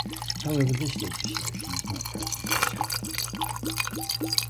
However this legislation is not present in Scotland.